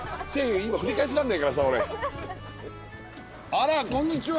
あらこんにちは。